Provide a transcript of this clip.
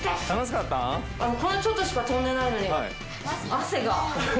こんなちょっとしか跳んでないのに汗が。